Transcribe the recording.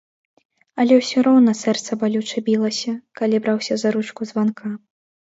Але ўсё роўна сэрца балюча білася, калі браўся за ручку званка.